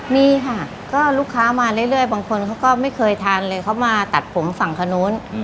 มีค่ะก็ลูกค้ามาเรื่อยบางคนเขาก็ไม่เคยทานเลยเขามาตัดผมฝั่งคนนู้น